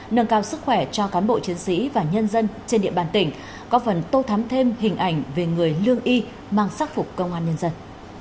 nâng cao sức khỏe cho cán bộ chiến sĩ và nhân dân trên địa bàn tỉnh có phần tô thắm thêm hình ảnh về người lương y mang sắc phục công an nhân dân